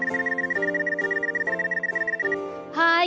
はい！